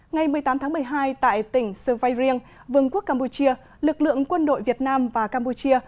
ngày một mươi tám tháng một mươi hai tại tỉnh survayrien vương quốc campuchia lực lượng quân đội việt nam và campuchia